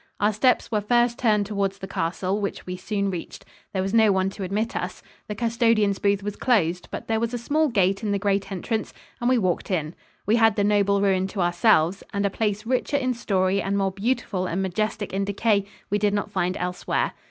Our steps were first turned towards the castle, which we soon reached. There was no one to admit us. The custodian's booth was closed, but there was a small gate in the great entrance and we walked in. We had the noble ruin to ourselves, and a place richer in story and more beautiful and majestic in decay we did not find elsewhere.